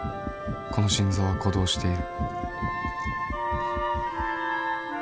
この心臓は鼓動している